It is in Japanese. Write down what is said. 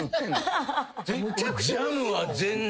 ジャムは全然。